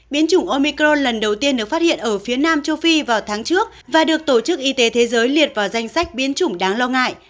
biến chủng omicron lần đầu tiên được phát hiện ở phía nam châu phi vào tháng trước và được tổ chức y tế thế giới liệt vào danh sách biến chủng đáng lo ngại